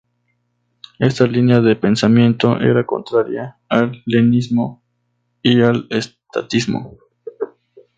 Esta línea de pensamiento era contraria al leninismo y al estatismo.